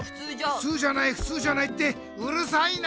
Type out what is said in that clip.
ふつうじゃないふつうじゃないってうるさいな！